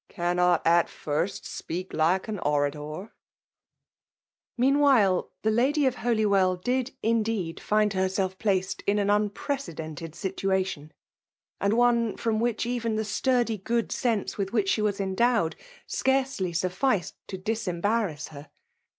' Cannot at first speak like an orator/'* ft *^ Mcanwhilcj the liddy of Holywell didj in deed, find herself placed in an unprecedei^^ situation ; and one from which even the sturdy* gjQod sense with which she was end^t^ed* scarcely sufficed to disembarrass her.